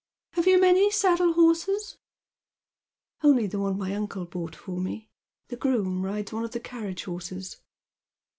^ Have you many saddle horses ?"" Only the one my uncle bought for me. The groom rides one of the carriage horses."